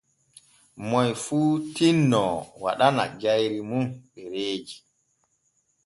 Moy fu tinno waɗana jayri mun ɗereeji.